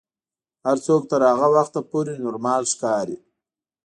هر څوک تر هغه وخته پورې نورمال ښکاري.